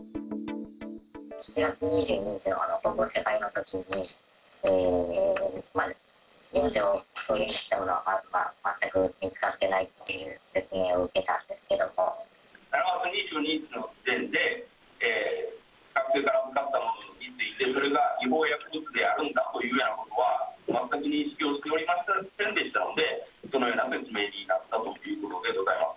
７月２２日の保護者会のときに、現状、そういうものは全く見つかってないっていう説明を受け７月２２日の時点で、学生から預かったものが、それが違法薬物であるんだというようなことは、全く認識しておりませんでしたので、そのような説明になったということでございます。